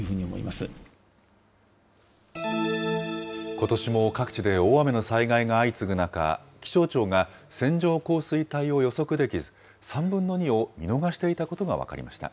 ことしも各地で大雨の災害が相次ぐ中、気象庁が線状降水帯を予測できず、３分の２を見逃していたことが分かりました。